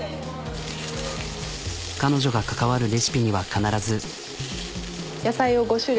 彼女が関わるレシピには必ず。